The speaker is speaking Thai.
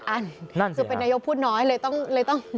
นั่นสิครับถ้าเป็นนายกรัฐมนตรีพูดน้อยเลยต้อง